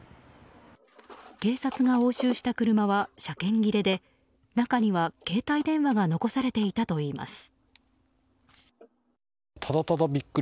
警察が押収した車は車検切れで中には携帯電話が残されていたといいます。